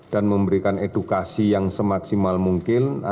dan memberikan edukasi yang semaksimal mungkin